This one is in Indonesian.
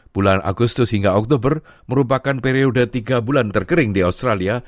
bulan agustus hingga oktober merupakan periode tiga bulan terkering di australia